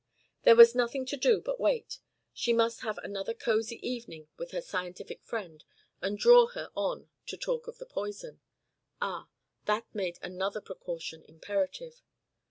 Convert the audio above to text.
There was nothing to do but wait. She must have another cosy evening with her scientific friend and draw her on to talk of the poison. Ah! that made another precaution imperative.